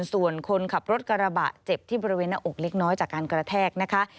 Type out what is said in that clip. ส่วนคนขับรถกระบะเจ็บที่บริเวณหน้าอกเล็กน้อยจากการกระแทกนะคะ